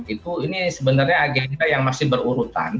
itu ini sebenarnya agenda yang masih berurutan